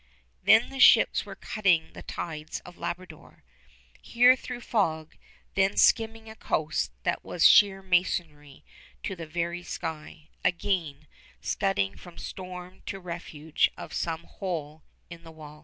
Then the ships were cutting the tides of Labrador; here through fog; there skimming a coast that was sheer masonry to the very sky; again, scudding from storm to refuge of some hole in the wall.